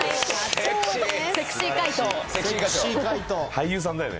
・俳優さんだよね。